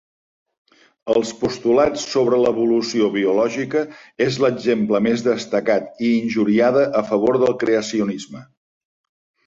Els postulats sobre l'Evolució biològica és l'exemple més destacat i injuriada a favor del creacionisme.